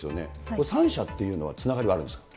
この３社というのはつながりはあるんですか。